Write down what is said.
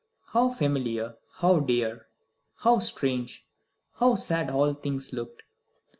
How familiar, how dear, how strange, how sad all things looked!